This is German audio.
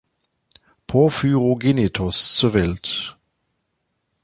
Porphyrogennetos zur Welt.